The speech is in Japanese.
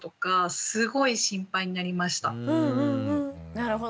なるほど。